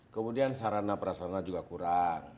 kemudian sarana prasarana juga kurang